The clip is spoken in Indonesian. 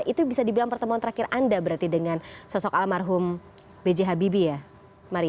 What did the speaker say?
itu bisa dibilang pertemuan terakhir anda berarti dengan sosok almarhum b j habibie ya maria